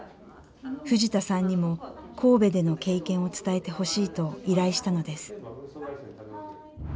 藤田さんにも神戸での経験を伝えてほしいと依頼したのです。